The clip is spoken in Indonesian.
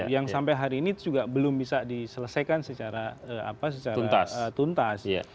yang sampai hari ini juga belum bisa diselesaikan secara tuntas